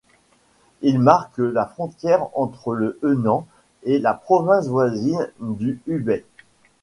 Il marque la frontière entre le Henan et la province voisine du Hubei.